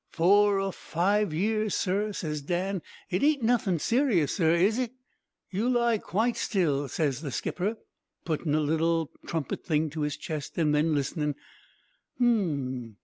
"'Four or five years, sir,' ses Dan. 'It ain't nothing serious, sir, is it?' "'You lie quite still,' ses the skipper, putting a little trumpet thing to his chest an' then listening. 'Um!